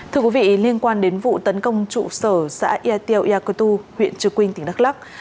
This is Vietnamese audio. thưa quý vị liên quan đến vụ tấn công trụ sở xã yatio yakutu huyện trừ quynh tỉnh đắk lắk